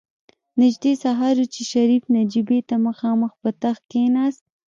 نژدې سهار و چې شريف نجيبې ته مخامخ په تخت کېناست.